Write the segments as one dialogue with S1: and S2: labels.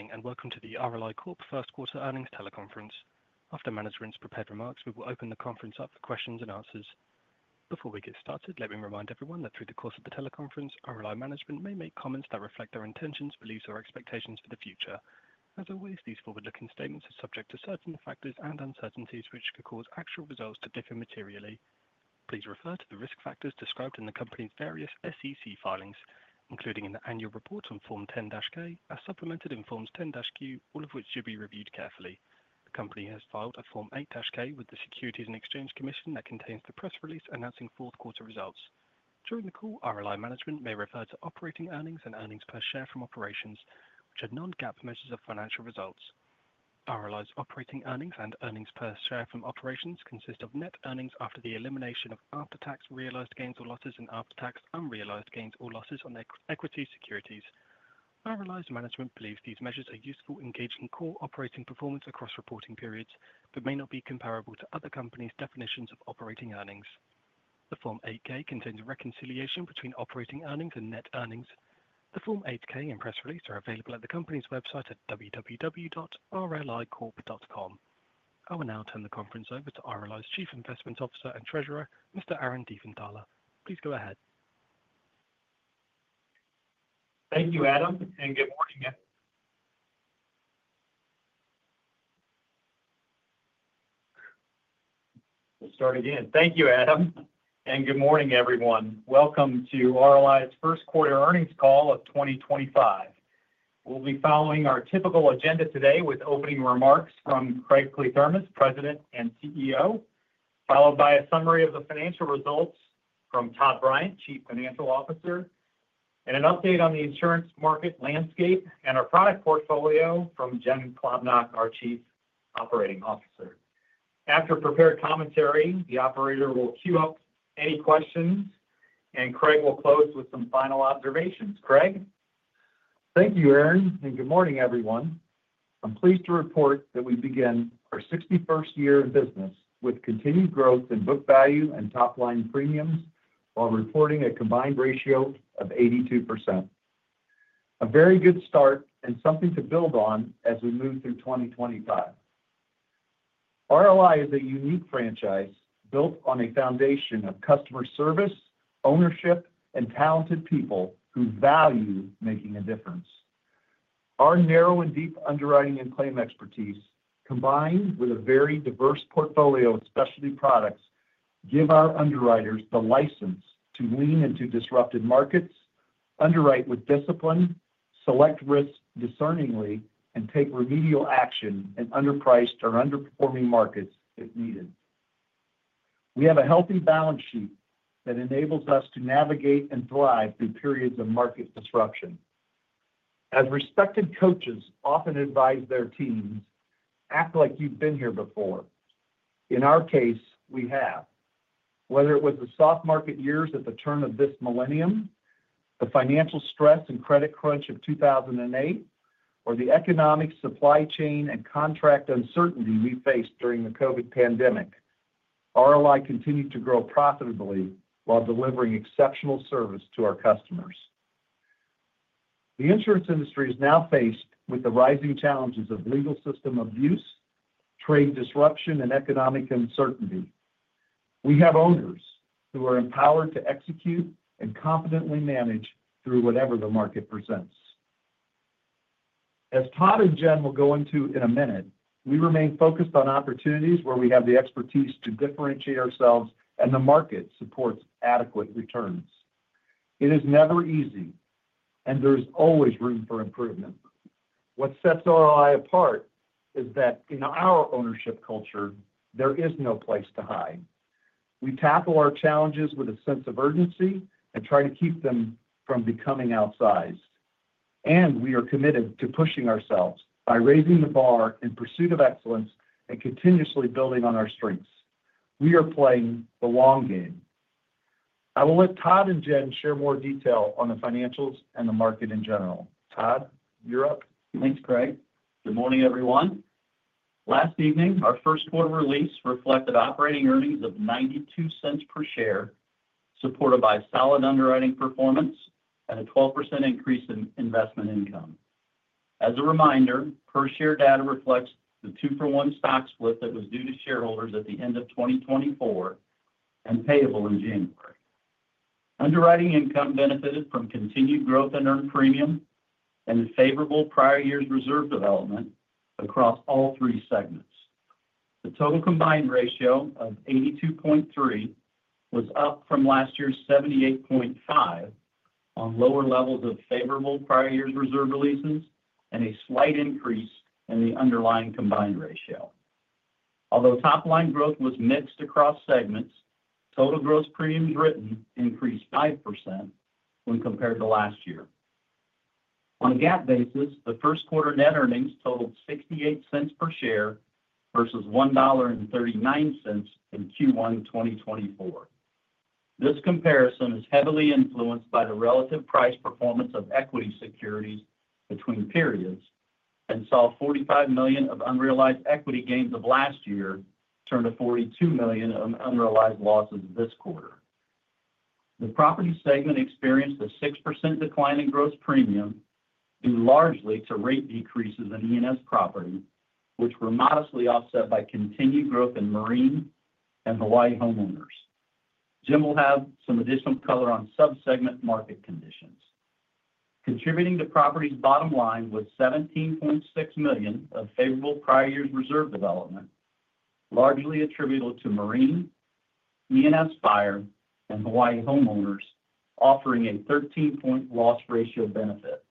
S1: Good morning and welcome to the RLI Corp first quarter earnings teleconference. After management's prepared remarks, we will open the conference up for questions and answers. Before we get started, let me remind everyone that through the course of the teleconference, RLI management may make comments that reflect their intentions, beliefs, or expectations for the future. As always, these forward-looking statements are subject to certain factors and uncertainties which could cause actual results to differ materially. Please refer to the risk factors described in the company's various SEC filings, including in the annual report on Form 10-K, as supplemented in Form 10-Q, all of which should be reviewed carefully. The company has filed a Form 8-K with the Securities and Exchange Commission that contains the press release announcing fourth quarter results. During the call, RLI management may refer to operating earnings and earnings per share from operations, which are non-GAAP measures of financial results. RLI's operating earnings and earnings per share from operations consist of net earnings after the elimination of after-tax realized gains or losses and after-tax unrealized gains or losses on equity securities. RLI's management believes these measures are useful, gauging core operating performance across reporting periods, but may not be comparable to other companies' definitions of operating earnings. The Form 8-K contains a reconciliation between operating earnings and net earnings. The Form 8-K and press release are available at the company's website at www.rlicorp.com. I will now turn the conference over to RLI's Chief Investment Officer and Treasurer, Mr. Aaron Diefenthaler. Please go ahead.
S2: Thank you, Adam, and good morning. Thank you, Adam, and good morning, everyone. Welcome to RLI's first quarter earnings call of 2025. We'll be following our typical agenda today with opening remarks from Craig Kliethermes, President and CEO, followed by a summary of the financial results from Todd Bryant, Chief Financial Officer, and an update on the insurance market landscape and our product portfolio from Jen Klobnak, our Chief Operating Officer. After prepared commentary, the operator will queue up any questions, and Craig will close with some final observations. Craig.
S3: Thank you, Aaron, and good morning, everyone. I'm pleased to report that we begin our 61st year in business with continued growth in book value and top-line premiums while reporting a combined ratio of 82%. A very good start and something to build on as we move through 2025. RLI is a unique franchise built on a foundation of customer service, ownership, and talented people who value making a difference. Our narrow and deep underwriting and claim expertise, combined with a very diverse portfolio of specialty products, give our underwriters the license to lean into disrupted markets, underwrite with discipline, select risks discerningly, and take remedial action in underpriced or underperforming markets if needed. We have a healthy balance sheet that enables us to navigate and thrive through periods of market disruption. As respected coaches often advise their teams, act like you've been here before. In our case, we have. Whether it was the soft market years at the turn of this millennium, the financial stress and credit crunch of 2008, or the economic supply chain and contract uncertainty we faced during the COVID pandemic, RLI continued to grow profitably while delivering exceptional service to our customers. The insurance industry is now faced with the rising challenges of legal system abuse, trade disruption, and economic uncertainty. We have owners who are empowered to execute and confidently manage through whatever the market presents. As Todd and Jen will go into in a minute, we remain focused on opportunities where we have the expertise to differentiate ourselves and the market supports adequate returns. It is never easy, and there is always room for improvement. What sets RLI apart is that in our ownership culture, there is no place to hide. We tackle our challenges with a sense of urgency and try to keep them from becoming outsized. We are committed to pushing ourselves by raising the bar in pursuit of excellence and continuously building on our strengths. We are playing the long game. I will let Todd and Jen share more detail on the financials and the market in general. Todd, you're up.
S4: Thanks, Craig. Good morning, everyone. Last evening, our first quarter release reflected operating earnings of $0.92 per share, supported by solid underwriting performance and a 12% increase in investment income. As a reminder, per share data reflects the two-for-one stock split that was due to shareholders at the end of 2024 and payable in January. Underwriting income benefited from continued growth in earned premium and favorable prior years' reserve development across all three segments. The total combined ratio of 82.3% was up from last year's 78.5% on lower levels of favorable prior years' reserve releases and a slight increase in the underlying combined ratio. Although top-line growth was mixed across segments, total gross premiums written increased 5% when compared to last year. On a GAAP basis, the first quarter net earnings totaled $0.68 per share versus $1.39 in Q1 2024. This comparison is heavily influenced by the relative price performance of equity securities between periods and saw $45 million of unrealized equity gains of last year turn to $42 million of unrealized losses this quarter. The Property segment experienced a 6% decline in gross premium due largely to rate decreases in E&S Property, which were modestly offset by continued growth in Marine and Hawaii Homeowners. Jen will have some additional color on subsegment market conditions. Contributing to Property's bottom line was $17.6 million of favorable prior years' reserve development, largely attributable to Marine, E&S Property, and Hawaii Homeowners offering a 13-point loss ratio benefit.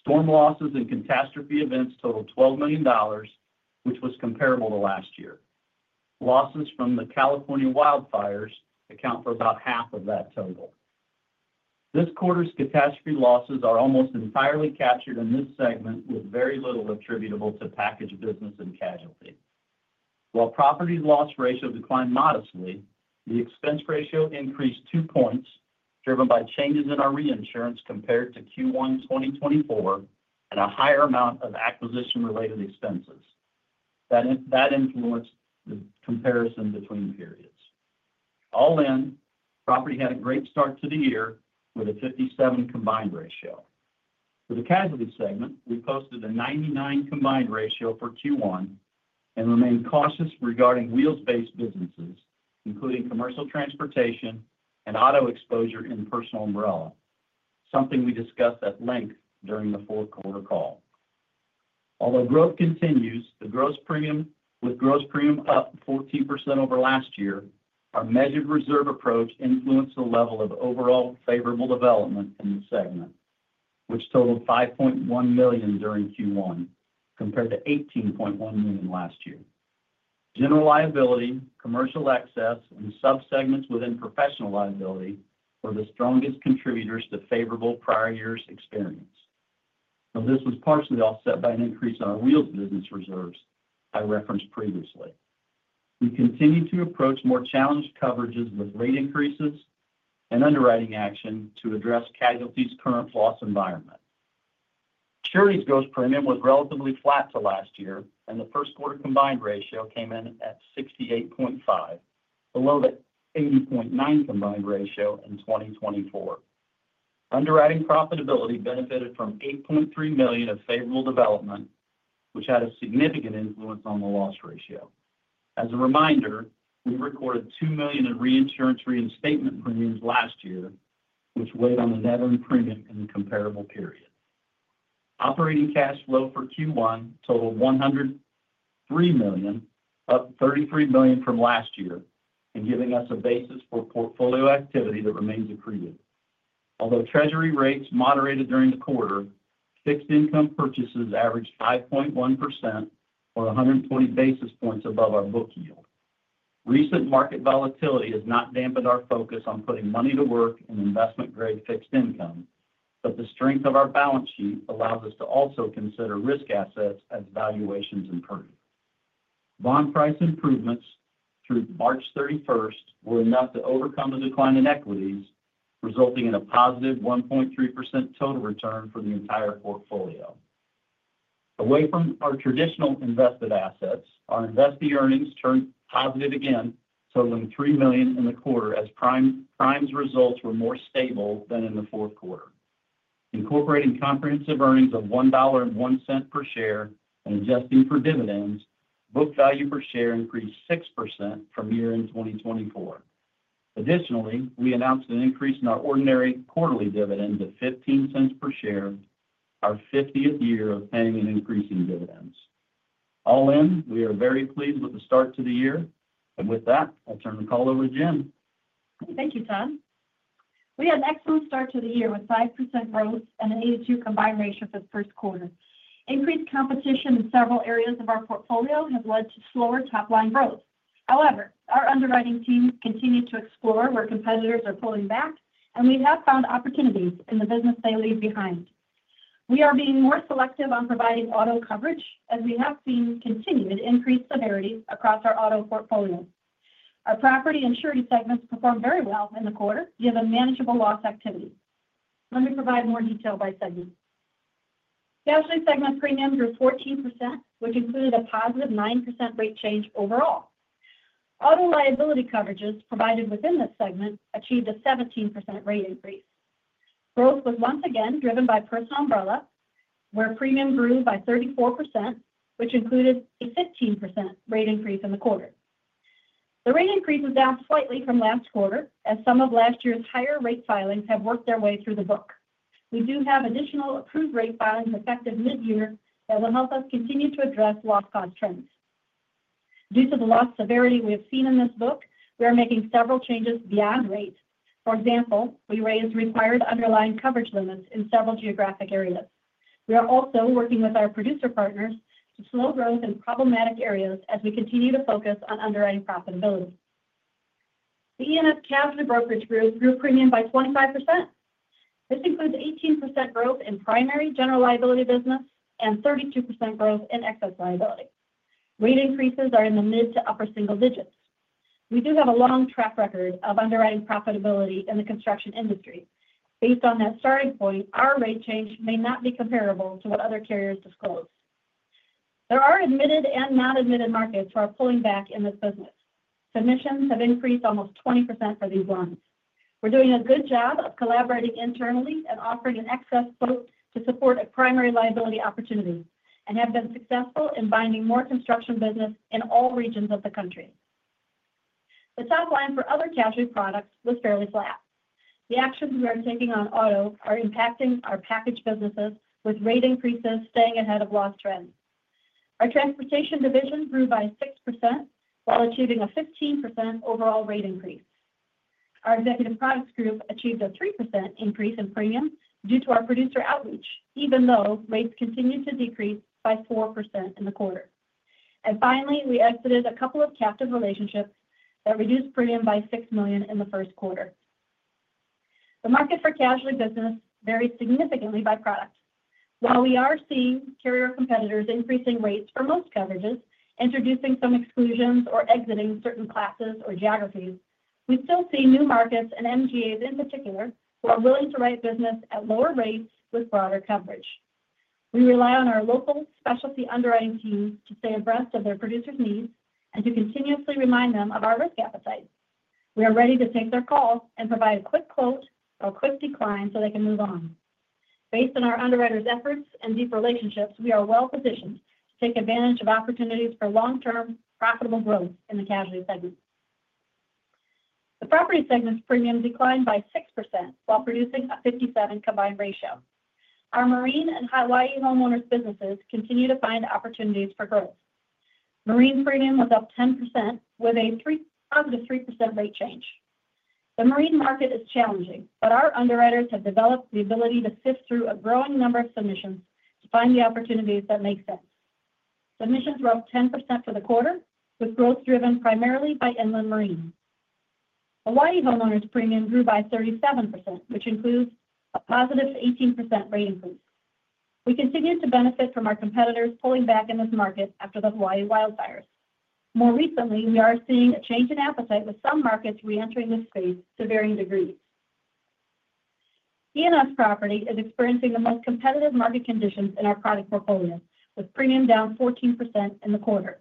S4: Storm losses and catastrophe events totaled $12 million, which was comparable to last year. Losses from the California wildfires account for about half of that total. This quarter's catastrophe losses are almost entirely captured in this segment with very little attributable to package business and casualty. While property loss ratio declined modestly, the expense ratio increased two points driven by changes in our reinsurance compared to Q1 2024 and a higher amount of acquisition-related expenses. That influenced the comparison between periods. All in, property had a great start to the year with a 57% combined ratio. For the Casualty segment, we posted a 99% combined ratio for Q1 and remained cautious regarding wheels-based businesses, including commercial Transportation and auto exposure in Personal Umbrella, something we discussed at length during the fourth quarter call. Although growth continues, with gross premium up 14% over last year, our measured reserve approach influenced the level of overall favorable development in the segment, which totaled $5.1 million during Q1 compared to $18.1 million last year. General Liability, Commercial Excess, and subsegments within Professional Liability were the strongest contributors to favorable prior years' experience. This was partially offset by an increase in our wheels business reserves I referenced previously. We continue to approach more challenged coverages with rate increases and underwriting action to address casualty's current loss environment. Surety gross premium was relatively flat to last year, and the first quarter combined ratio came in at 68.5%, below the 80.9% combined ratio in 2024. Underwriting profitability benefited from $8.3 million of favorable development, which had a significant influence on the loss ratio. As a reminder, we recorded $2 million in reinsurance reinstatement premiums last year, which weighed on the net earned premium in the comparable period. Operating cash flow for Q1 totaled $103 million, up $33 million from last year, and giving us a basis for portfolio activity that remains accretive. Although treasury rates moderated during the quarter, fixed income purchases averaged 5.1% or 120 basis points above our book yield. Recent market volatility has not dampened our focus on putting money to work in investment-grade fixed income, but the strength of our balance sheet allows us to also consider risk assets as valuations improve. Bond price improvements through March 31 were enough to overcome the decline in equities, resulting in a positive 1.3% total return for the entire portfolio. Away from our traditional invested assets, our invested earnings turned positive again, totaling $3 million in the quarter as Prime's results were more stable than in the fourth quarter. Incorporating comprehensive earnings of $1.01 per share and adjusting for dividends, book value per share increased 6% from year-end 2024. Additionally, we announced an increase in our ordinary quarterly dividend to $0.15 per share, our 50th year of paying and increasing dividends. All in, we are very pleased with the start to the year. With that, I'll turn the call over to Jen.
S5: Thank you, Todd. We had an excellent start to the year with 5% growth and an 82 combined ratio for the first quarter. Increased competition in several areas of our portfolio has led to slower top-line growth. However, our underwriting team continued to explore where competitors are pulling back, and we have found opportunities in the business they leave behind. We are being more selective on providing auto coverage as we have seen continued increased severity across our auto portfolio. Our Property Insurance segments performed very well in the quarter given manageable loss activity. Let me provide more detail by segment. Casualty segment premiums were 14%, which included a positive 9% rate change overall. Auto liability coverages provided within this segment achieved a 17% rate increase. Growth was once again driven by Personal Umbrella, where premium grew by 34%, which included a 15% rate increase in the quarter. The rate increase is down slightly from last quarter as some of last year's higher rate filings have worked their way through the book. We do have additional approved rate filings effective mid-year that will help us continue to address loss cost trends. Due to the loss severity we have seen in this book, we are making several changes beyond rate. For example, we raised required underlying coverage limits in several geographic areas. We are also working with our producer partners to slow growth in problematic areas as we continue to focus on underwriting profitability. The E&S Casualty and Brokerage Group grew premium by 25%. This includes 18% growth in primary general liability business and 32% growth in excess liability. Rate increases are in the mid to upper single digits. We do have a long track record of underwriting profitability in the construction industry. Based on that starting point, our rate change may not be comparable to what other carriers disclose. There are admitted and non-admitted markets who are pulling back in this business. Submissions have increased almost 20% for these lines. We're doing a good job of collaborating internally and offering an excess quote to support a primary liability opportunity and have been successful in binding more construction business in all regions of the country. The top line for other casualty products was fairly flat. The actions we are taking on auto are impacting our package businesses with rate increases staying ahead of loss trends. Our Transportation Division grew by 6% while achieving a 15% overall rate increase. Our Executive Products Group achieved a 3% increase in premium due to our producer outreach, even though rates continued to decrease by 4% in the quarter. Finally, we exited a couple of captive relationships that reduced premium by $6 million in the first quarter. The market for casualty business varies significantly by product. While we are seeing carrier competitors increasing rates for most coverages, introducing some exclusions or exiting certain classes or geographies, we still see new markets and MGAs in particular who are willing to write business at lower rates with broader coverage. We rely on our local specialty underwriting teams to stay abreast of their producers' needs and to continuously remind them of our risk appetite. We are ready to take their call and provide a quick quote or quick decline so they can move on. Based on our underwriters' efforts and deep relationships, we are well positioned to take advantage of opportunities for long-term profitable growth in the Casualty segment. The Property segment's premium declined by 6% while producing a 57 combined ratio. Our Marine and Hawaii Homeowners' businesses continue to find opportunities for growth. Marine premium was up 10% with a positive 3% rate change. The Marine market is challenging, but our underwriters have developed the ability to sift through a growing number of submissions to find the opportunities that make sense. Submissions were up 10% for the quarter, with growth driven primarily by Inland Marine. Hawaii Homeowners' premium grew by 37%, which includes a positive 18% rate increase. We continue to benefit from our competitors pulling back in this market after the Hawaii wildfires. More recently, we are seeing a change in appetite with some markets re-entering this space to varying degrees. E&S Property is experiencing the most competitive market conditions in our product portfolio, with premium down 14% in the quarter.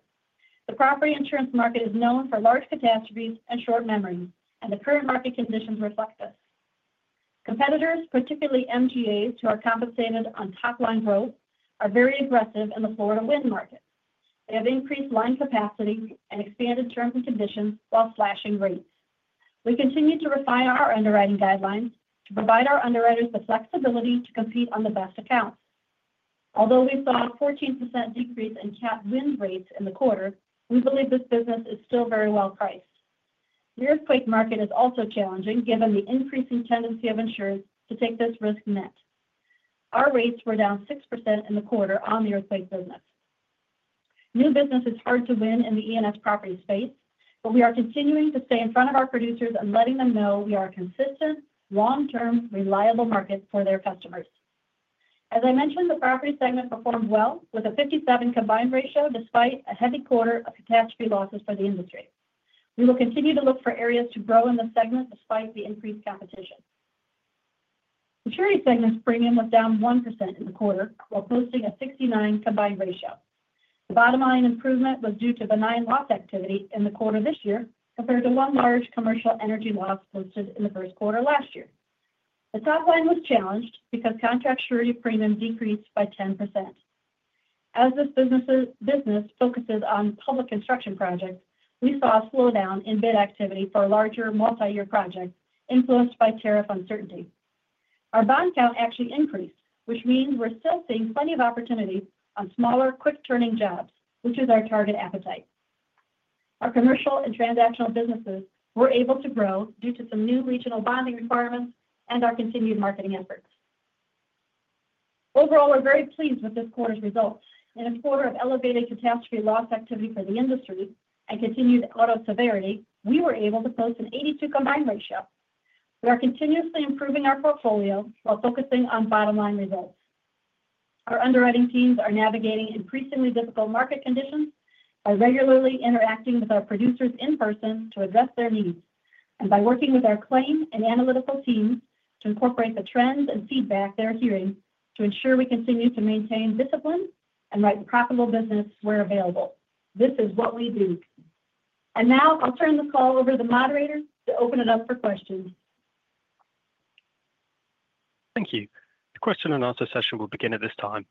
S5: The Property insurance market is known for large catastrophes and short memory, and the current market conditions reflect this. Competitors, particularly MGAs who are compensated on top-line growth, are very aggressive in the Florida wind market. They have increased line capacity and expanded terms and conditions while slashing rates. We continue to refine our underwriting guidelines to provide our underwriters the flexibility to compete on the best accounts. Although we saw a 14% decrease in capped wind rates in the quarter, we believe this business is still very well priced. The earthquake market is also challenging given the increasing tendency of insureds to take this risk net. Our rates were down 6% in the quarter on the earthquake business. New business is hard to win in the E&S Property space, but we are continuing to stay in front of our producers and letting them know we are a consistent, long-term, reliable market for their customers. As I mentioned, the Property segment performed well with a 57% combined ratio despite a heavy quarter of catastrophe losses for the industry. We will continue to look for areas to grow in the segment despite the increased competition. Surety segment's premium was down 1% in the quarter while posting a 69% combined ratio. The bottom line improvement was due to benign loss activity in the quarter this year compared to one large commercial energy loss posted in the first quarter last year. The top line was challenged because Contract Surety premium decreased by 10%. As this business focuses on public construction projects, we saw a slowdown in bid activity for larger multi-year projects influenced by tariff uncertainty. Our bond count actually increased, which means we're still seeing plenty of opportunity on smaller, quick-turning jobs, which is our target appetite. Our commercial and transactional businesses were able to grow due to some new regional bonding requirements and our continued marketing efforts. Overall, we're very pleased with this quarter's results. In a quarter of elevated catastrophe loss activity for the industry and continued auto severity, we were able to post an 82% combined ratio. We are continuously improving our portfolio while focusing on bottom line results. Our underwriting teams are navigating increasingly difficult market conditions by regularly interacting with our producers in person to address their needs and by working with our claim and analytical teams to incorporate the trends and feedback they're hearing to ensure we continue to maintain discipline and write profitable business where available. This is what we do. I will now turn the call over to the moderator to open it up for questions.
S1: Thank you. The question and answer session will begin at this time.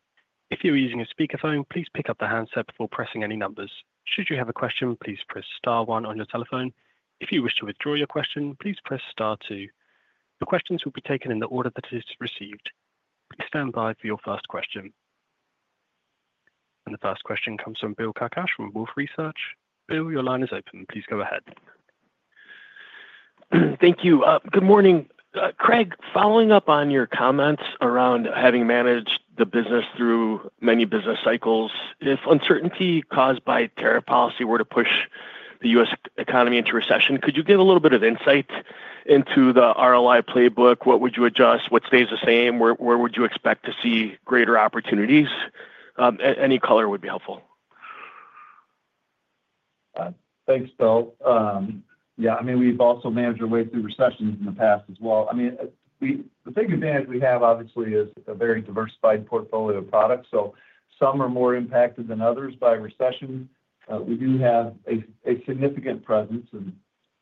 S1: If you're using a speakerphone, please pick up the handset before pressing any numbers. Should you have a question, please press star one on your telephone. If you wish to withdraw your question, please press star two. The questions will be taken in the order that it is received. Please stand by for your first question. The first question comes from Bill Carcache from Wolfe Research. Bill, your line is open. Please go ahead.
S6: Thank you. Good morning. Craig, following up on your comments around having managed the business through many business cycles, if uncertainty caused by tariff policy were to push the U.S. economy into recession, could you give a little bit of insight into the RLI playbook? What would you adjust? What stays the same? Where would you expect to see greater opportunities? Any color would be helpful.
S3: Thanks, Bill. Yeah, I mean, we've also managed our way through recessions in the past as well. I mean, the big advantage we have, obviously, is a very diversified portfolio of products. Some are more impacted than others by recession. We do have a significant presence and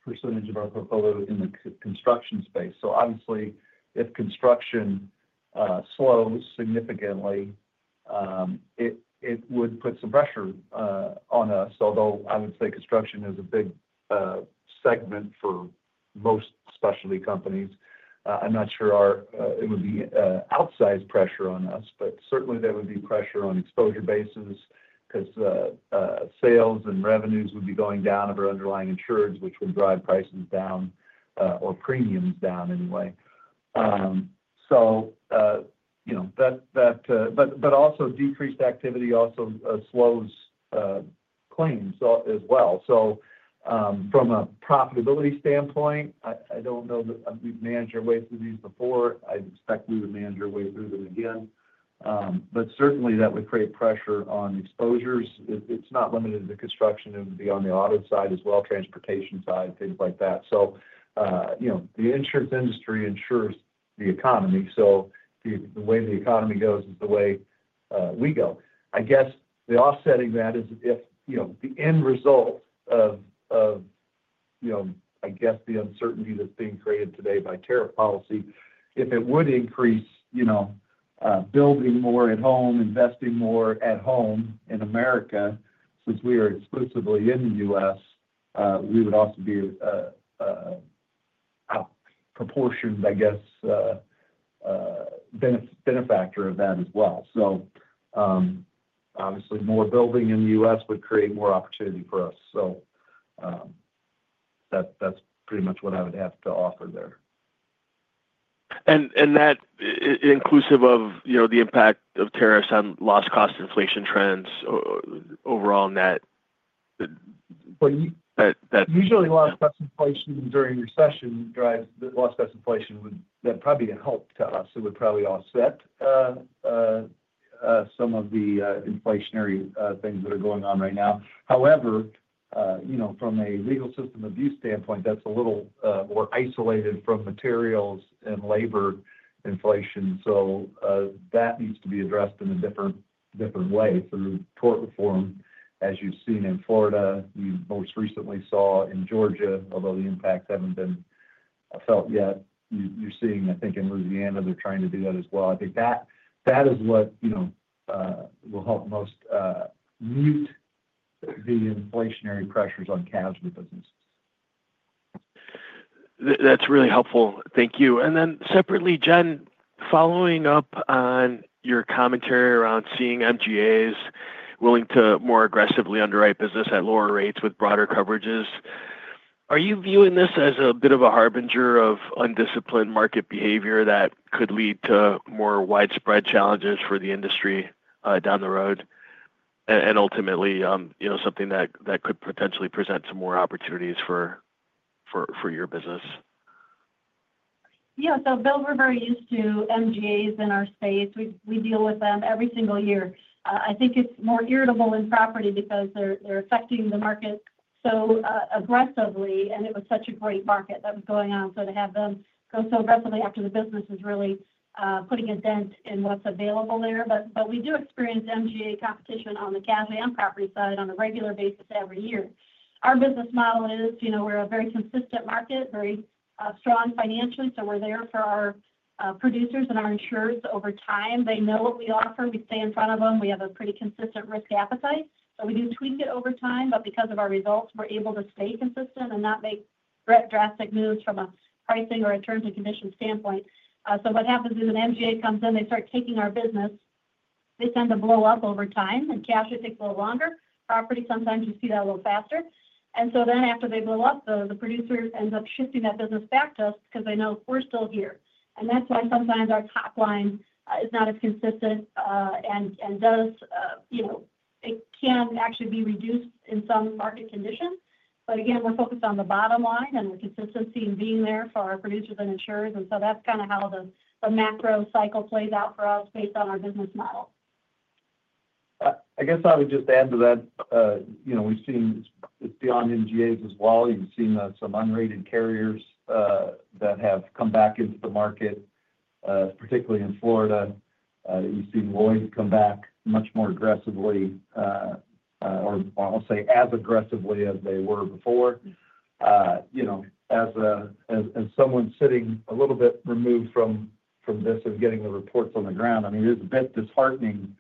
S3: percentage of our portfolio in the construction space. Obviously, if construction slows significantly, it would put some pressure on us. Although I would say construction is a big segment for most specialty companies. I'm not sure it would be outsized pressure on us, but certainly there would be pressure on exposure basis because sales and revenues would be going down of our underlying insurers, which would drive prices down or premiums down anyway. That, but also decreased activity also slows claims as well. From a profitability standpoint, I don't know that we've managed our way through these before. I expect we would manage our way through them again. Certainly, that would create pressure on exposures. It's not limited to construction. It would be on the auto side as well, Transportation side, things like that. The insurance industry insures the economy. The way the economy goes is the way we go. I guess the offsetting that is if the end result of, I guess, the uncertainty that's being created today by tariff policy, if it would increase building more at home, investing more at home in America, since we are exclusively in the U.S., we would also be a proportioned, I guess, benefactor of that as well. Obviously, more building in the U.S. would create more opportunity for us. That's pretty much what I would have to offer there.
S6: Is that inclusive of the impact of tariffs on loss cost inflation trends overall net?
S3: Usually, loss cost inflation during recession drives loss cost inflation. That'd probably help to us. It would probably offset some of the inflationary things that are going on right now. However, from a legal system abuse standpoint, that's a little more isolated from materials and labor inflation. So that needs to be addressed in a different way through tort reform, as you've seen in Florida. We most recently saw in Georgia, although the impacts haven't been felt yet. You're seeing, I think, in Louisiana, they're trying to do that as well. I think that is what will help most mute the inflationary pressures on casualty businesses.
S6: That's really helpful. Thank you. Then separately, Jen, following up on your commentary around seeing MGAs willing to more aggressively underwrite business at lower rates with broader coverages, are you viewing this as a bit of a harbinger of undisciplined market behavior that could lead to more widespread challenges for the industry down the road and ultimately something that could potentially present some more opportunities for your business?
S5: Yeah. Bill, we're very used to MGAs in our space. We deal with them every single year. I think it's more irritable in property because they're affecting the market so aggressively, and it was such a great market that was going on. To have them go so aggressively after the business is really putting a dent in what's available there. We do experience MGA competition on the Casualty and Property side on a regular basis every year. Our business model is we're a very consistent market, very strong financially. We're there for our producers and our insurers over time. They know what we offer. We stay in front of them. We have a pretty consistent risk appetite. We do tweak it over time. Because of our results, we're able to stay consistent and not make drastic moves from a pricing or a terms and conditions standpoint. What happens is an MGA comes in, they start taking our business, they tend to blow up over time, and casualty takes a little longer. Property, sometimes you see that a little faster. After they blow up, the producer ends up shifting that business back to us because they know we're still here. That's why sometimes our top line is not as consistent and it can actually be reduced in some market conditions. Again, we're focused on the bottom line and the consistency and being there for our producers and insurers. That's kind of how the macro cycle plays out for us based on our business model.
S3: I guess I would just add to that. We've seen it's beyond MGAs as well. You've seen some unrated carriers that have come back into the market, particularly in Florida. You've seen Lloyd's come back much more aggressively, or I'll say as aggressively as they were before. As someone sitting a little bit removed from this and getting the reports on the ground, I mean, it is a bit disheartening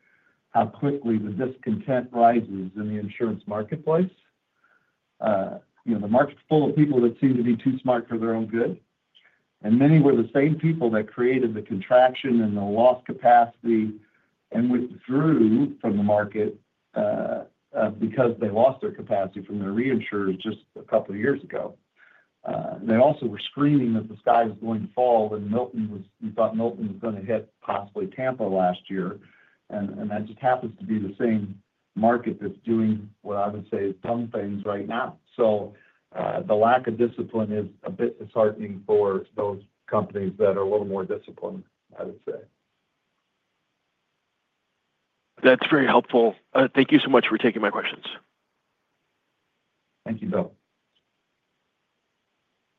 S3: how quickly the discontent rises in the insurance marketplace. The market's full of people that seem to be too smart for their own good. Many were the same people that created the contraction and the loss capacity and withdrew from the market because they lost their capacity from their reinsurers just a couple of years ago. They also were screaming that the sky was going to fall when Milton was, we thought Milton was going to hit possibly Tampa last year. That just happens to be the same market that's doing what I would say is dumb things right now. The lack of discipline is a bit disheartening for those companies that are a little more disciplined, I would say.
S6: That's very helpful. Thank you so much for taking my questions.
S3: Thank you, Bill.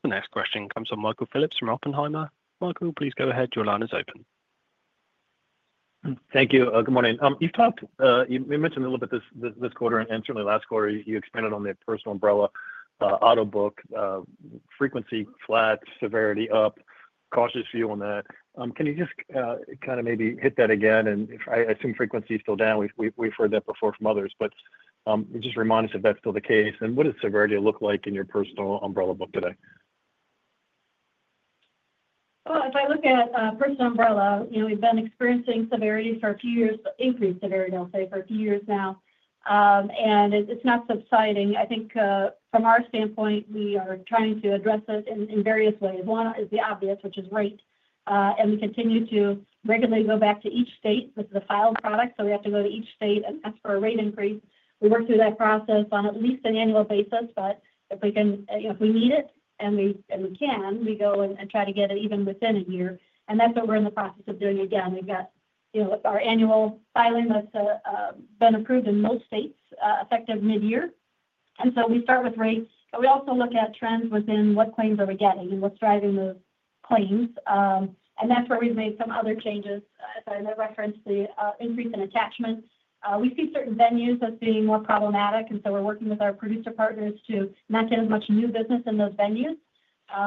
S1: The next question comes from Michael Phillips from Oppenheimer. Michael, please go ahead. Your line is open.
S7: Thank you. Good morning. You talked, you mentioned a little bit this quarter and certainly last quarter, you expanded on the personal umbrella auto book, frequency flat, severity up, cautious view on that. Can you just kind of maybe hit that again? I assume frequency is still down. We've heard that before from others. Just remind us if that's still the case. What does severity look like in your personal umbrella book today?
S5: If I look at Personal Umbrella, we've been experiencing severity for a few years, increased severity, I'll say, for a few years now. It's not subsiding. I think from our standpoint, we are trying to address it in various ways. One is the obvious, which is rate. We continue to regularly go back to each state. This is a filed product. We have to go to each state and ask for a rate increase. We work through that process on at least an annual basis. If we need it and we can, we go and try to get it even within a year. That's what we're in the process of doing again. We've got our annual filing that's been approved in most states effective mid-year. We start with rates. We also look at trends within what claims are we getting and what's driving those claims. That is where we've made some other changes. As I referenced, the increase in attachment. We see certain venues as being more problematic. We are working with our producer partners to not get as much new business in those venues,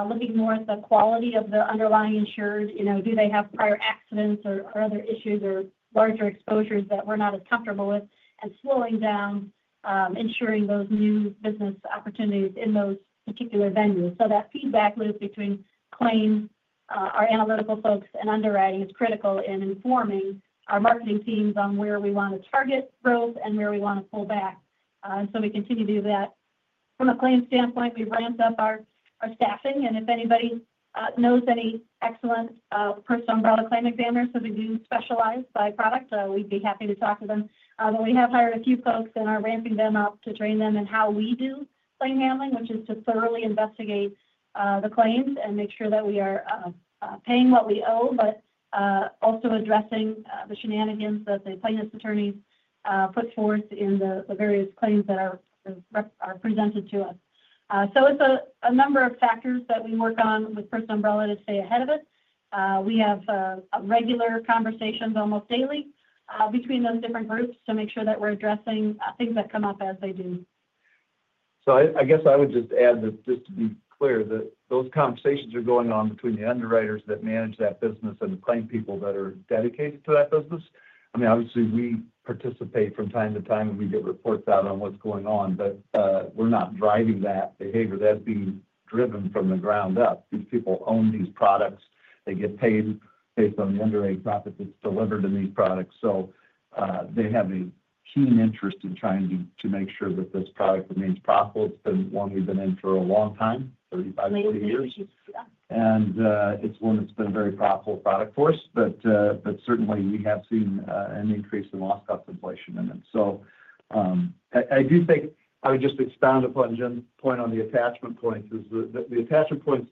S5: looking more at the quality of the underlying insured. Do they have prior accidents or other issues or larger exposures that we're not as comfortable with? Slowing down, insuring those new business opportunities in those particular venues. That feedback loop between claims, our analytical folks, and underwriting is critical in informing our marketing teams on where we want to target growth and where we want to pull back. We continue to do that. From a claim standpoint, we've ramped up our staffing. If anybody knows any excellent Personal Umbrella claim examiners because we do specialize by product, we'd be happy to talk to them. We have hired a few folks and are ramping them up to train them in how we do claim handling, which is to thoroughly investigate the claims and make sure that we are paying what we owe, but also addressing the shenanigans that the plaintiff's attorneys put forth in the various claims that are presented to us. It is a number of factors that we work on with Personal Umbrella to stay ahead of it. We have regular conversations almost daily between those different groups to make sure that we're addressing things that come up as they do.
S3: I guess I would just add that just to be clear that those conversations are going on between the underwriters that manage that business and the claim people that are dedicated to that business. I mean, obviously, we participate from time to time when we get reports out on what's going on. We are not driving that behavior. That's being driven from the ground up. These people own these products. They get paid based on the underwriting profit that's delivered in these products. They have a keen interest in trying to make sure that this product remains profitable. It's been one we've been in for a long time, 35-40 years. It's one that's been a very profitable product for us. Certainly, we have seen an increase in loss cost inflation in it. I do think I would just expound upon Jen's point on the attachment points is that the attachment points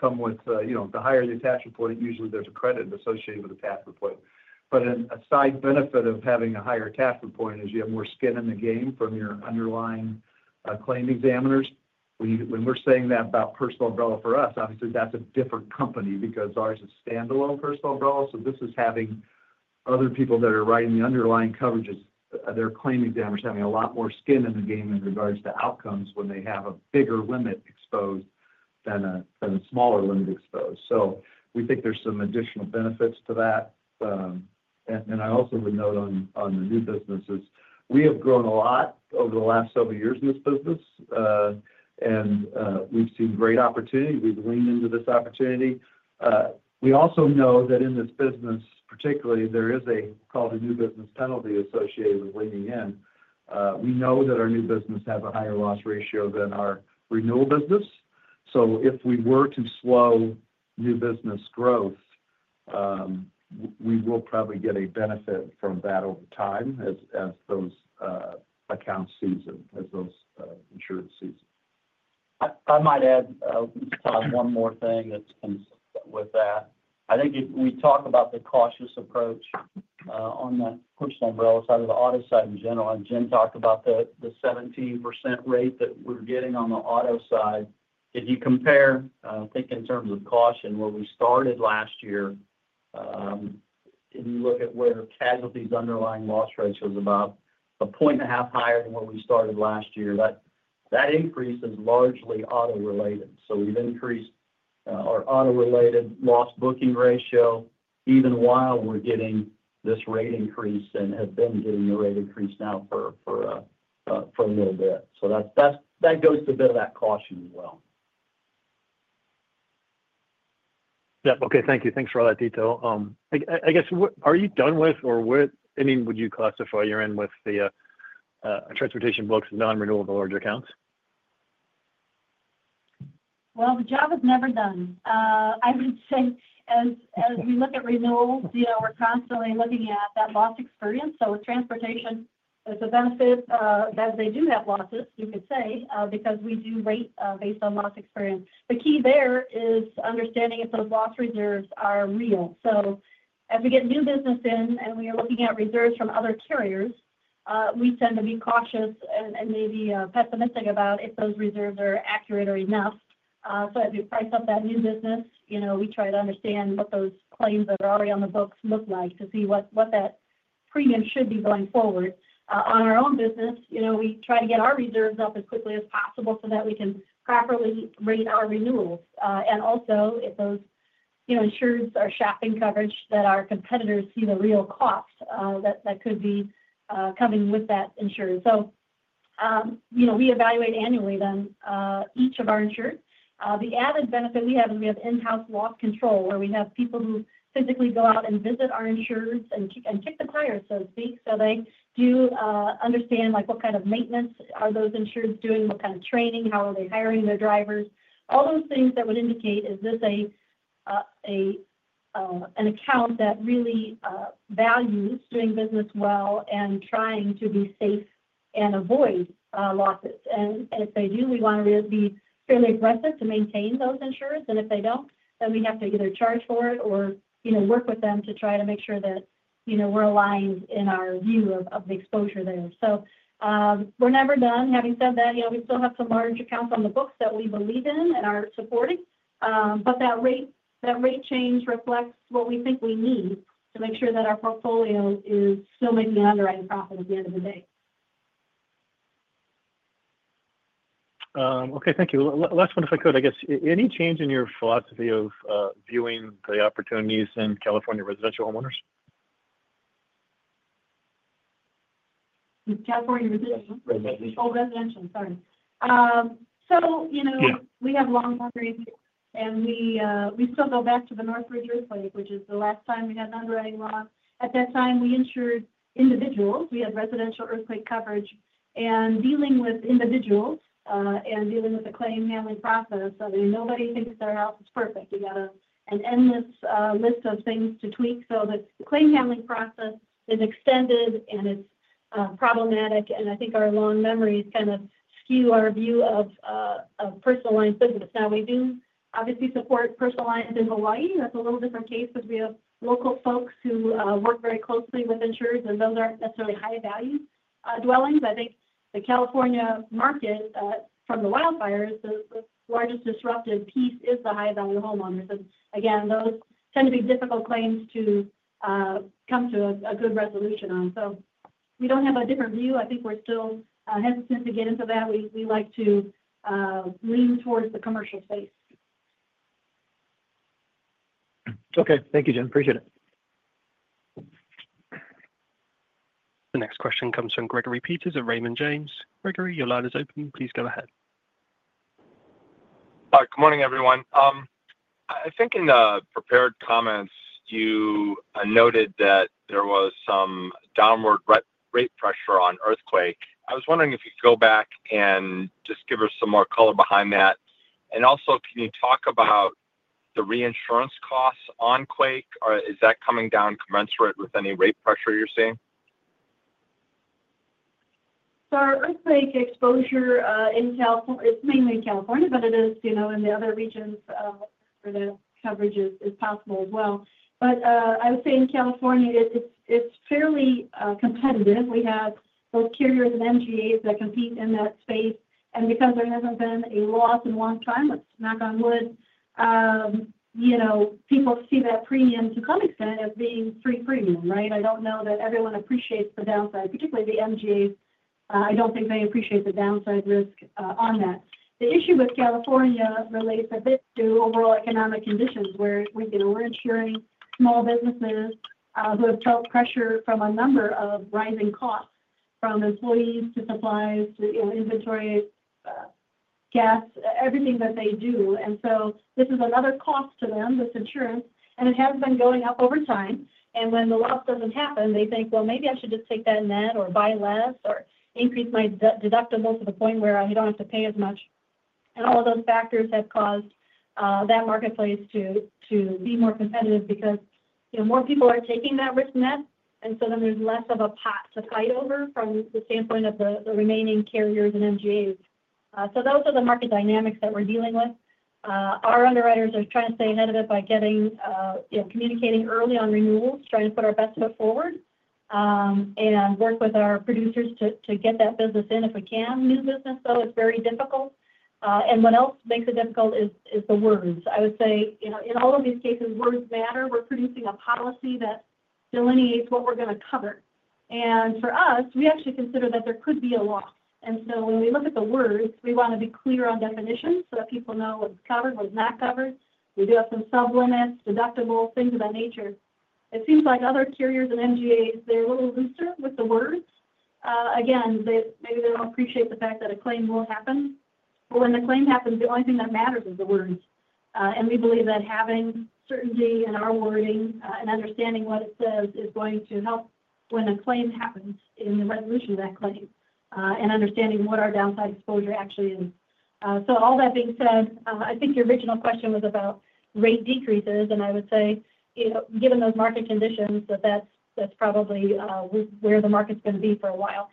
S3: come with the higher the attachment point, usually there's a credit associated with attachment point. A side benefit of having a higher attachment point is you have more skin in the game from your underlying claim examiners. When we're saying that about Personal Umbrella for us, obviously, that's a different company because ours is standalone Personal Umbrella. This is having other people that are writing the underlying coverages, their claim examiners having a lot more skin in the game in regards to outcomes when they have a bigger limit exposed than a smaller limit exposed. We think there's some additional benefits to that. I also would note on the new businesses, we have grown a lot over the last several years in this business. We have seen great opportunity. We have leaned into this opportunity. We also know that in this business, particularly, there is a called a new business penalty associated with leaning in. We know that our new business has a higher loss ratio than our renewal business. If we were to slow new business growth, we will probably get a benefit from that over time as those accounts season, as those insurers season.
S4: I might add one more thing that comes with that. I think if we talk about the cautious approach on the Personal Umbrella side of the auto side in general, and Jen talked about the 17% rate that we're getting on the auto side, if you compare, I think in terms of caution, where we started last year, if you look at where casualty's underlying loss rate was about a point and a half higher than where we started last year, that increase is largely auto-related. So we've increased our auto-related loss booking ratio even while we're getting this rate increase and have been getting the rate increase now for a little bit. That goes to a bit of that caution as well.
S7: Yeah. Okay. Thank you. Thanks for all that detail. I guess, are you done with or, I mean, would you classify you're in with the Transportation books, non-renewable, or the accounts?
S5: The job is never done. I would say as we look at renewals, we're constantly looking at that loss experience. With Transportation, there's a benefit that they do have losses, you could say, because we do rate based on loss experience. The key there is understanding if those loss reserves are real. As we get new business in and we are looking at reserves from other carriers, we tend to be cautious and maybe pessimistic about if those reserves are accurate or enough. As we price up that new business, we try to understand what those claims that are already on the books look like to see what that premium should be going forward. On our own business, we try to get our reserves up as quickly as possible so that we can properly rate our renewals. If those insureds are shopping coverage that our competitors see the real cost that could be coming with that insurance. We evaluate annually then each of our insured. The added benefit we have is we have in-house loss control where we have people who physically go out and visit our insureds and kick the tires, so to speak. They do understand what kind of maintenance are those insureds doing, what kind of training, how are they hiring their drivers. All those things that would indicate, is this an account that really values doing business well and trying to be safe and avoid losses? If they do, we want to be fairly aggressive to maintain those insureds. If they do not, then we have to either charge for it or work with them to try to make sure that we are aligned in our view of the exposure there. We are never done. Having said that, we still have some large accounts on the books that we believe in and are supported. That rate change reflects what we think we need to make sure that our portfolio is still making an underwriting profit at the end of the day.
S7: Okay. Thank you. Last one, if I could, I guess. Any change in your philosophy of viewing the opportunities in California residential homeowners?
S5: California residential. Oh, residential. Sorry. We have long-term rates here. We still go back to the Northridge earthquake, which is the last time we had an underwriting loss. At that time, we insured individuals. We had residential earthquake coverage. Dealing with individuals and dealing with the claim handling process, I mean, nobody thinks their house is perfect. You have an endless list of things to tweak. The claim handling process is extended and it's problematic. I think our long memories kind of skew our view of personal line business. We do obviously support personal lines in Hawaii. That's a little different case because we have local folks who work very closely with insureds. Those are not necessarily high-value dwellings. I think the California market from the wildfires, the largest disruptive piece is the high-value homeowners. Those tend to be difficult claims to come to a good resolution on. We do not have a different view. I think we are still hesitant to get into that. We like to lean towards the commercial space.
S1: Okay. Thank you, Jen. Appreciate it. The next question comes from Gregory Peters of Raymond James. Gregory, your line is open. Please go ahead.
S8: Hi. Good morning, everyone. I think in the prepared comments, you noted that there was some downward rate pressure on earthquake. I was wondering if you could go back and just give us some more color behind that. Also, can you talk about the reinsurance costs on quake? Is that coming down commensurate with any rate pressure you're seeing?
S5: Earthquake exposure in California, it's mainly in California, but it is in the other regions where the coverage is possible as well. I would say in California, it's fairly competitive. We have both carriers and MGAs that compete in that space. Because there hasn't been a loss in a long time, let's knock on wood, people see that premium to some extent as being free premium, right? I don't know that everyone appreciates the downside, particularly the MGAs. I don't think they appreciate the downside risk on that. The issue with California relates a bit to overall economic conditions where we're insuring small businesses who have felt pressure from a number of rising costs from employees to supplies to inventory, gas, everything that they do. This is another cost to them, this insurance. It has been going up over time. When the loss does not happen, they think, "Maybe I should just take that net or buy less or increase my deductible to the point where I do not have to pay as much." All of those factors have caused that marketplace to be more competitive because more people are taking that risk net. There is less of a pot to fight over from the standpoint of the remaining carriers and MGAs. Those are the market dynamics that we are dealing with. Our underwriters are trying to stay ahead of it by getting communicating early on renewals, trying to put our best foot forward, and work with our producers to get that business in if we can. New business, though, is very difficult. What else makes it difficult is the words. I would say in all of these cases, words matter. We're producing a policy that delineates what we're going to cover. For us, we actually consider that there could be a loss. When we look at the words, we want to be clear on definitions so that people know what's covered, what's not covered. We do have some sublimits, deductibles, things of that nature. It seems like other carriers and MGAs, they're a little looser with the words. Again, maybe they don't appreciate the fact that a claim will happen. When the claim happens, the only thing that matters is the words. We believe that having certainty in our wording and understanding what it says is going to help when a claim happens in the resolution of that claim and understanding what our downside exposure actually is. All that being said, I think your original question was about rate decreases. I would say, given those market conditions, that that's probably where the market's going to be for a while.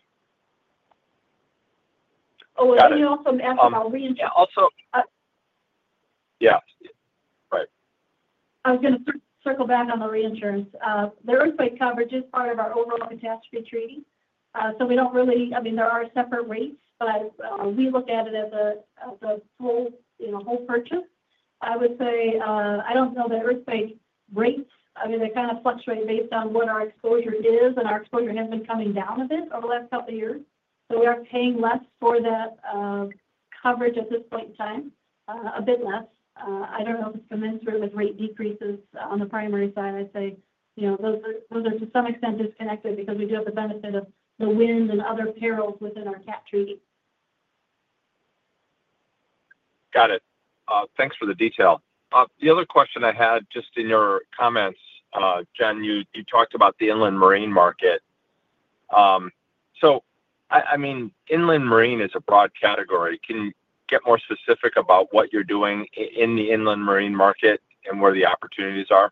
S5: Oh, and you also asked about reinsurance. Yeah. Also.
S8: Yeah. Right.
S5: I was going to circle back on the reinsurance. The earthquake coverage is part of our overall catastrophe treaty. I mean, there are separate rates, but we look at it as a full purchase. I would say I don't know the earthquake rates. I mean, they kind of fluctuate based on what our exposure is. And our exposure has been coming down a bit over the last couple of years. We are paying less for that coverage at this point in time, a bit less. I don't know if it's commensurate with rate decreases on the primary side. I'd say those are to some extent disconnected because we do have the benefit of the wind and other perils within our cap treaty.
S8: Got it. Thanks for the detail. The other question I had just in your comments, Jen, you talked about the Inland Marine market. I mean, Inland Marine is a broad category. Can you get more specific about what you're doing in the Inland Marine market and where the opportunities are?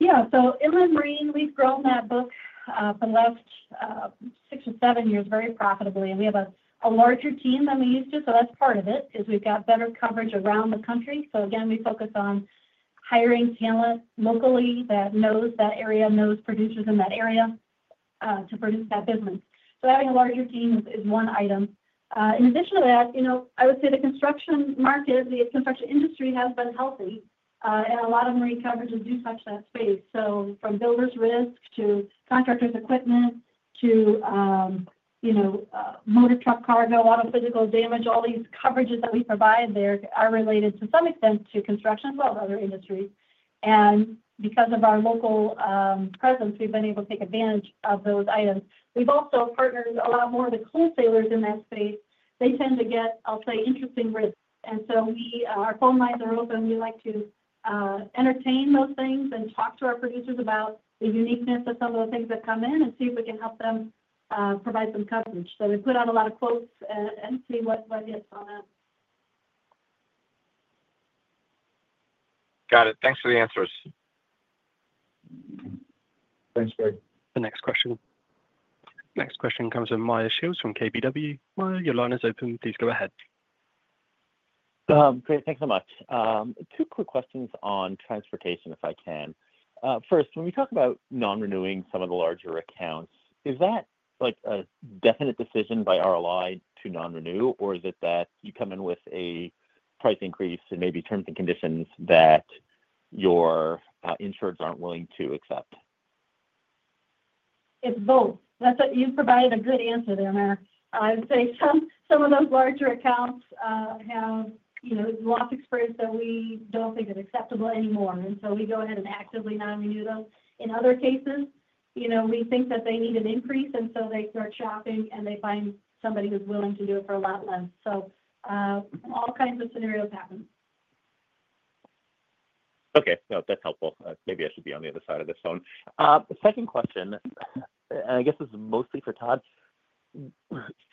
S5: Yeah. Inland Marine, we've grown that book for the last six or seven years very profitably. We have a larger team than we used to. Part of it is we've got better coverage around the country. We focus on hiring talent locally that knows that area, knows producers in that area to produce that business. Having a larger team is one item. In addition to that, I would say the construction market, the construction industry has been healthy. A lot of marine coverages do touch that space. From builders' risk to contractors' equipment to motor truck cargo, auto physical damage, all these coverages that we provide there are related to some extent to construction as well as other industries. Because of our local presence, we've been able to take advantage of those items. We've also partnered a lot more with wholesalers in that space. They tend to get, I'll say, interesting risk. Our phone lines are open. We like to entertain those things and talk to our producers about the uniqueness of some of the things that come in and see if we can help them provide some coverage. We put out a lot of quotes and see what gets on that.
S8: Got it. Thanks for the answers.
S1: Thanks, Greg. The next question. Next question comes from Meyer Shields from KBW. Meyer, your line is open. Please go ahead.
S9: Great. Thanks so much. Two quick questions on transportation, if I can. First, when we talk about non-renewing some of the larger accounts, is that a definite decision by RLI to non-renew, or is it that you come in with a price increase and maybe terms and conditions that your insureds aren't willing to accept?
S5: It's both. You provided a good answer there, Meyer. I would say some of those larger accounts have loss experience that we don't think is acceptable anymore. We go ahead and actively non-renew them. In other cases, we think that they need an increase, and they start shopping and they find somebody who's willing to do it for a lot less. All kinds of scenarios happen.
S9: Okay. No, that's helpful. Maybe I should be on the other side of this phone. Second question, and I guess this is mostly for Todd.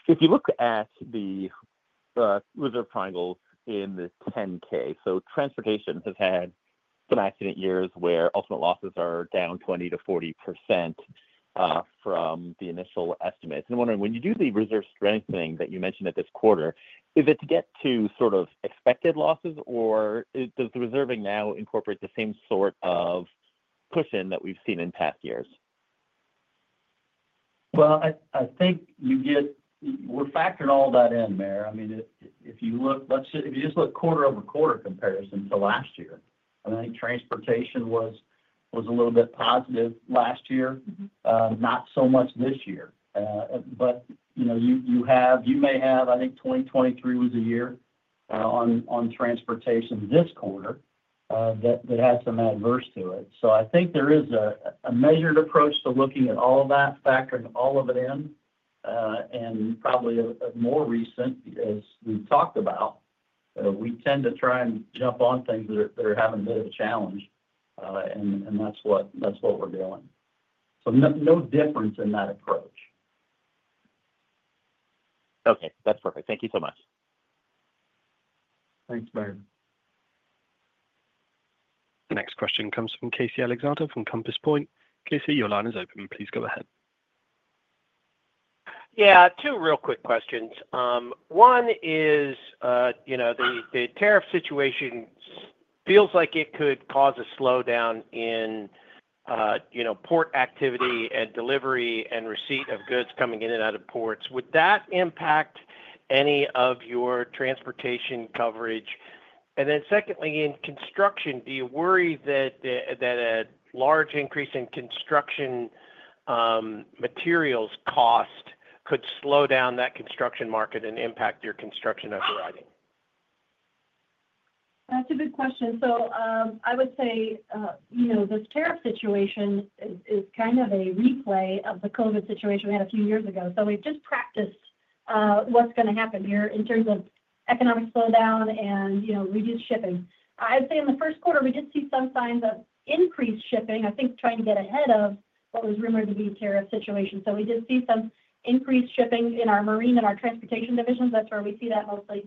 S9: If you look at the reserve triangle in the 10-K, so Transportation has had some accident years where ultimate losses are down 20%-40% from the initial estimates. I'm wondering, when you do the reserve strengthening that you mentioned at this quarter, is it to get to sort of expected losses, or does the reserving now incorporate the same sort of push-in that we've seen in past years?
S4: I think we've factored all that in, Meyer. I mean, if you look at a quarter-over-quarter comparison to last year, I think Transportation was a little bit positive last year, not so much this year. You may have, I think 2023 was a year on Transportation this quarter that had some adverse to it. I think there is a measured approach to looking at all of that, factoring all of it in. Probably more recent, as we've talked about, we tend to try and jump on things that are having a bit of a challenge. That's what we're doing. No difference in that approach.
S9: Okay. That's perfect. Thank you so much.
S1: Thanks, Meyer. The next question comes from Casey Alexander from Compass Point. Casey, your line is open. Please go ahead.
S10: Yeah. Two real quick questions. One is the tariff situation feels like it could cause a slowdown in port activity and delivery and receipt of goods coming in and out of ports. Would that impact any of your Transportation coverage? Then secondly, in construction, do you worry that a large increase in construction materials cost could slow down that construction market and impact your construction underwriting?
S5: That's a good question. I would say this tariff situation is kind of a replay of the COVID situation we had a few years ago. We just practiced what's going to happen here in terms of economic slowdown and reduced shipping. I would say in the first quarter, we did see some signs of increased shipping, I think trying to get ahead of what was rumored to be a tariff situation. We did see some increased shipping in our marine and our Transportation Divisions. That's where we see that mostly.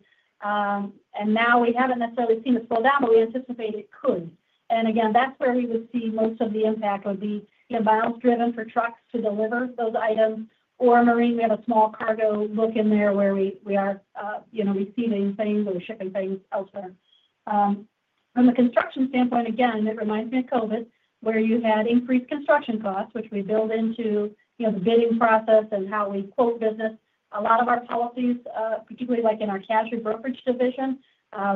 S5: We haven't necessarily seen a slowdown, but we anticipate it could. Again, that's where we would see most of the impact would be miles driven for trucks to deliver those items. For marine, we have a small cargo book in there where we are receiving things or shipping things elsewhere. From a construction standpoint, again, it reminds me of COVID, where you had increased construction costs, which we build into the bidding process and how we quote business. A lot of our policies, particularly in our Casualty and Brokerage division,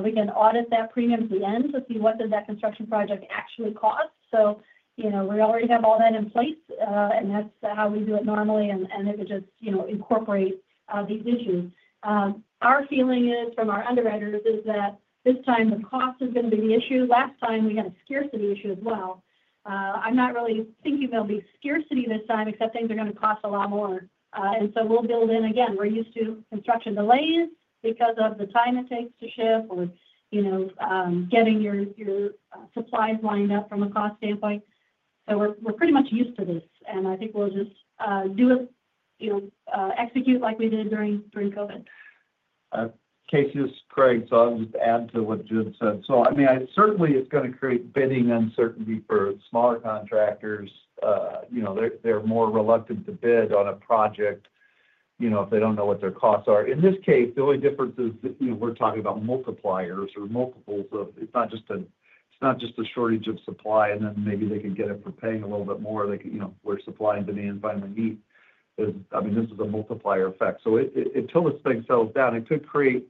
S5: we can audit that premium to the end to see what did that construction project actually cost. So we already have all that in place. That is how we do it normally. It would just incorporate these issues. Our feeling is, from our underwriters, is that this time, the cost is going to be the issue. Last time, we had a scarcity issue as well. I'm not really thinking there'll be scarcity this time, except things are going to cost a lot more. We will build in again. We're used to construction delays because of the time it takes to ship or getting your supplies lined up from a cost standpoint. We're pretty much used to this. I think we'll just do it, execute like we did during COVID.
S3: Casey, this is Craig, so I'll just add to what Jen said. I mean, certainly, it's going to create bidding uncertainty for smaller contractors. They're more reluctant to bid on a project if they don't know what their costs are. In this case, the only difference is that we're talking about multipliers or multiples of it's not just a shortage of supply. And then maybe they can get it for paying a little bit more. Where supply and demand finally meet. I mean, this is a multiplier effect. Until this thing settles down, it could create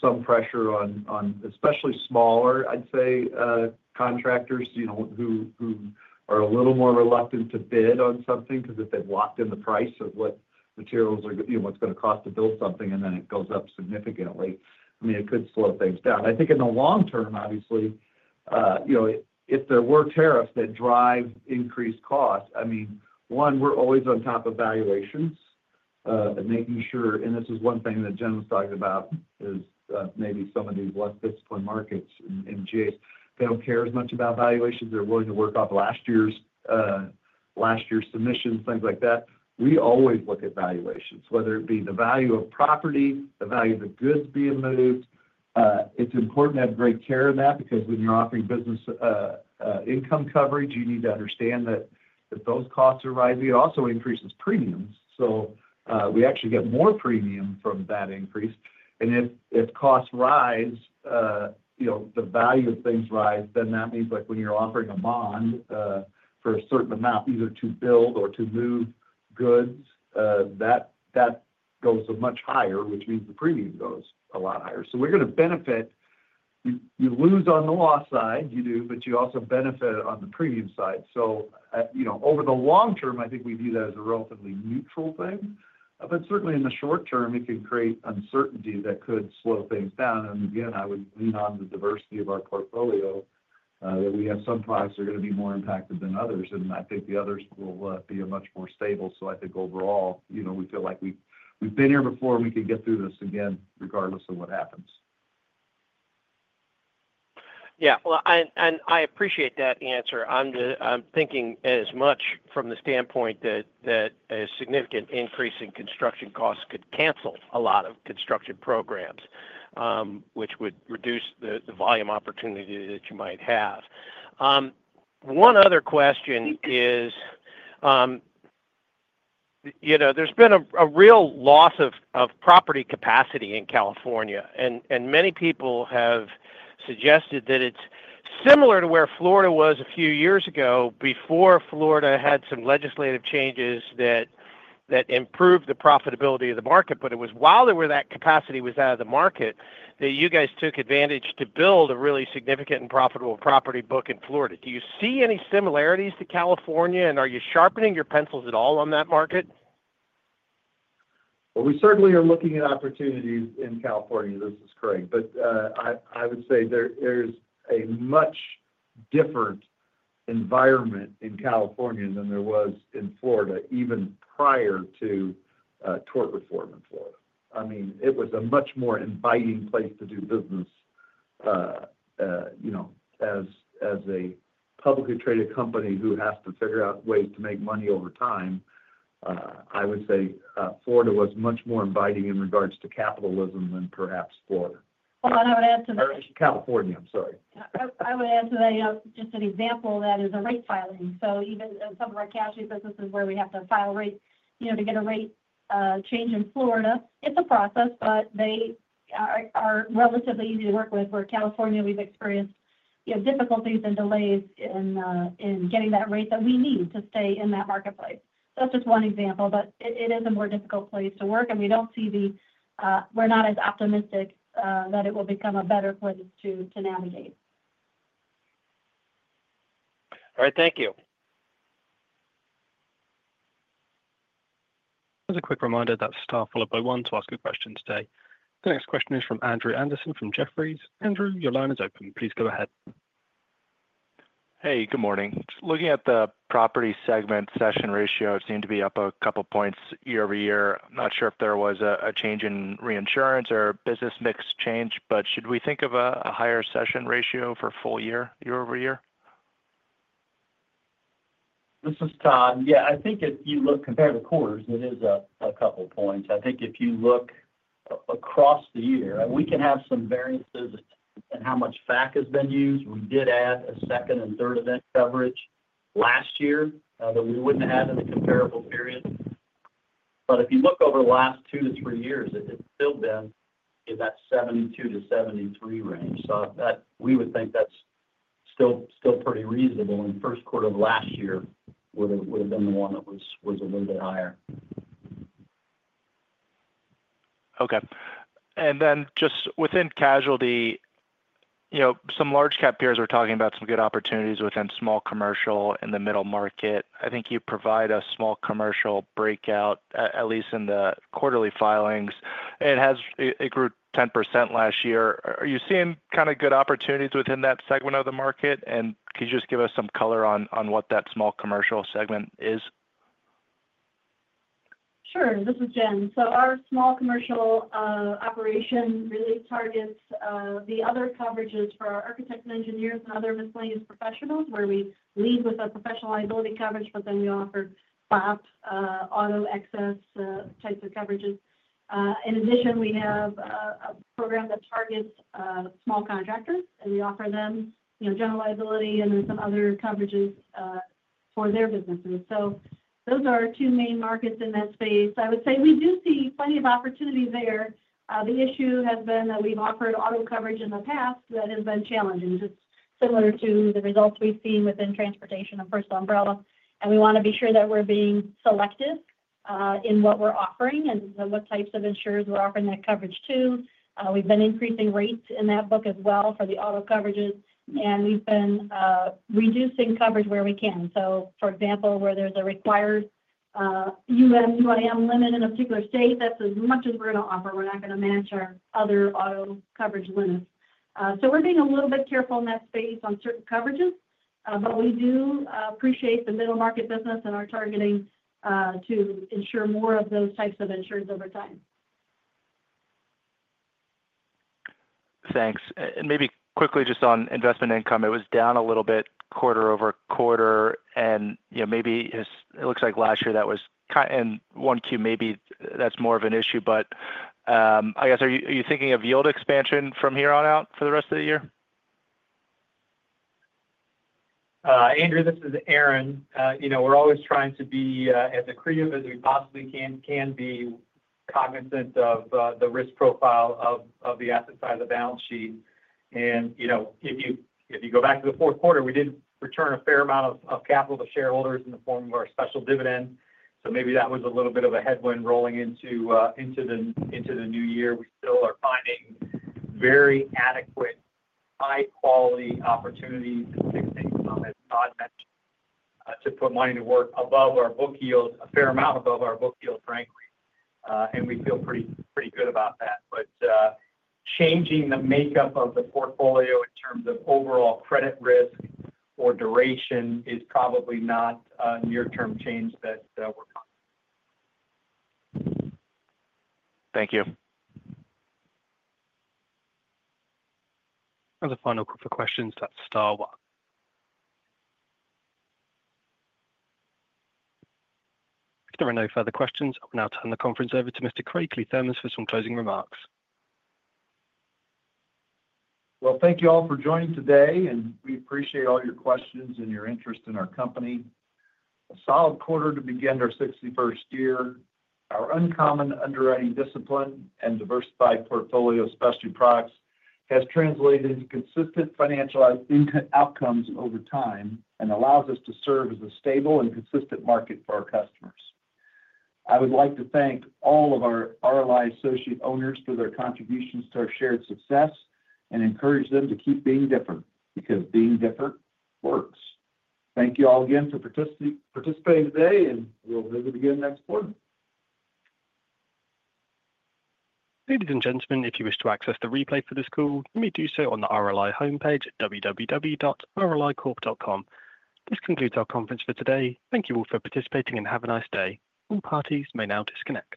S3: some pressure on especially smaller, I'd say, contractors who are a little more reluctant to bid on something because if they've locked in the price of what materials are going to what's going to cost to build something, and then it goes up significantly. I mean, it could slow things down. I think in the long term, obviously, if there were tariffs that drive increased costs, I mean, one, we're always on top of valuations and making sure—this is one thing that Jen was talking about—is maybe some of these less disciplined markets in MGAs, they do not care as much about valuations. They are willing to work off last year's submissions, things like that. We always look at valuations, whether it be the value of property, the value of the goods being moved. It is important to have great care of that because when you are offering business income coverage, you need to understand that those costs are rising. It also increases premiums. We actually get more premium from that increase. If costs rise, the value of things rise, then that means when you're offering a bond for a certain amount, either to build or to move goods, that goes much higher, which means the premium goes a lot higher. We are going to benefit. You lose on the loss side. You do. You also benefit on the premium side. Over the long term, I think we view that as a relatively neutral thing. Certainly, in the short term, it can create uncertainty that could slow things down. I would lean on the diversity of our portfolio, that we have some products that are going to be more impacted than others. I think the others will be much more stable. Overall, we feel like we've been here before. We can get through this again, regardless of what happens.
S10: Yeah. I appreciate that answer. I'm thinking as much from the standpoint that a significant increase in construction costs could cancel a lot of construction programs, which would reduce the volume opportunity that you might have. One other question is there's been a real loss of property capacity in California. Many people have suggested that it's similar to where Florida was a few years ago before Florida had some legislative changes that improved the profitability of the market. It was while there was that capacity was out of the market that you guys took advantage to build a really significant and profitable property book in Florida. Do you see any similarities to California? Are you sharpening your pencils at all on that market?
S3: We certainly are looking at opportunities in California. This is Craig. I would say there's a much different environment in California than there was in Florida, even prior to tort reform in Florida. I mean, it was a much more inviting place to do business. As a publicly traded company who has to figure out ways to make money over time, I would say Florida was much more inviting in regards to capitalism than perhaps California.
S5: Hold on. I would add to that.
S3: California. I'm sorry.
S5: I would add to that just an example of that is a rate filing. Even some of our Casualty businesses where we have to file rate to get a rate change in Florida, it is a process, but they are relatively easy to work with. Where California, we have experienced difficulties and delays in getting that rate that we need to stay in that marketplace. That is just one example. It is a more difficult place to work. We are not as optimistic that it will become a better place to navigate.
S10: All right. Thank you.
S1: As a quick reminder, that's star followed by one to ask a question today. The next question is from Andrew Andersen from Jefferies. Andrew, your line is open. Please go ahead.
S11: Hey, good morning. Just looking at the Property segment cession ratio, it seemed to be up a couple of points year over year. I'm not sure if there was a change in reinsurance or business mix change. Should we think of a higher cession ratio for full year, year-over-year?
S4: This is Todd. Yeah. I think if you look compared to quarters, it is a couple of points. I think if you look across the year, we can have some variances in how much FAC has been used. We did add a second and third event coverage last year that we would not have had in a comparable period. If you look over the last two to three years, it has still been in that 72-73 range. We would think that is still pretty reasonable. First quarter of last year would have been the one that was a little bit higher.
S11: Okay. Within casualty, some large cap peers are talking about some good opportunities within Small Commercial and the middle market. I think you provide a Small Commercial breakout, at least in the quarterly filings. It grew 10% last year. Are you seeing kind of good opportunities within that segment of the market? Could you just give us some color on what that Small Commercial segment is?
S5: Sure. This is Jen. Our Small Commercial operation really targets the other coverages for our architects and engineers and other miscellaneous professionals, where we lead with a Professional Liability coverage, but then we offer BOP, auto excess types of coverages. In addition, we have a program that targets small contractors. We offer them general liability and then some other coverages for their businesses. Those are our two main markets in that space. I would say we do see plenty of opportunities there. The issue has been that we've offered auto coverage in the past that has been challenging, just similar to the results we've seen within Transportation and Personal Umbrella. We want to be sure that we're being selective in what we're offering and what types of insurers we're offering that coverage to. We've been increasing rates in that book as well for the auto coverages. We have been reducing coverage where we can. For example, where there is a required UM/UIM limit in a particular state, that is as much as we are going to offer. We are not going to match our other auto coverage limits. We are being a little bit careful in that space on certain coverages. We do appreciate the middle market business and are targeting to ensure more of those types of insurers over time.
S11: Thanks. Maybe quickly, just on investment income, it was down a little bit quarter over quarter. Maybe it looks like last year that was in 1Q, maybe that's more of an issue. I guess, are you thinking of yield expansion from here on out for the rest of the year?
S2: Andrew, this is Aaron. We're always trying to be as accretive as we possibly can be cognizant of the risk profile of the asset side of the balance sheet. If you go back to the fourth quarter, we did return a fair amount of capital to shareholders in the form of our special dividend. Maybe that was a little bit of a headwind rolling into the new year. We still are finding very adequate, high-quality opportunities in fixed income, as Todd mentioned, to put money to work above our book yield, a fair amount above our book yield, frankly. We feel pretty good about that. Changing the makeup of the portfolio in terms of overall credit risk or duration is probably not a near-term change that we're talking about.
S11: Thank you.
S1: The final group of questions at star one. If there are no further questions, I will now turn the conference over to Mr. Craig Kliethermes for some closing remarks.
S3: Thank you all for joining today. We appreciate all your questions and your interest in our company. A solid quarter to begin our 61st year. Our uncommon underwriting discipline and diversified portfolio specialty products has translated into consistent financial outcomes over time and allows us to serve as a stable and consistent market for our customers. I would like to thank all of our RLI Associate owners for their contributions to our shared success and encourage them to keep being different because being different works. Thank you all again for participating today. We will visit again next quarter.
S1: Ladies and gentlemen, if you wish to access the replay for this call, you may do so on the RLI homepage at www.rlicorp.com. This concludes our conference for today. Thank you all for participating and have a nice day. All parties may now disconnect.